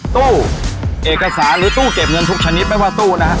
ตู้เอกสารหรือตู้เก็บเงินทุกชนิดไม่ว่าตู้นะฮะ